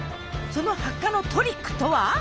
その発火のトリックとは？